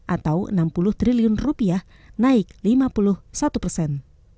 atau enam puluh triliun rupiah naik lima puluh satu persen